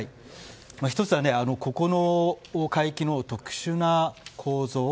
１つはここの海域の特殊な構造。